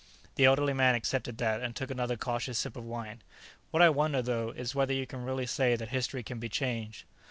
The elderly man accepted that and took another cautious sip of wine. "What I wonder, though, is whether you can really say that history can be changed."